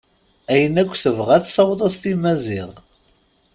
Ayen akk tebɣa tessaweḍ-as-t i Maziɣ.